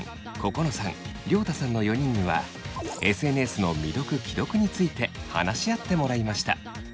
ここのさん涼太さんの４人にはＳＮＳの未読・既読について話し合ってもらいました。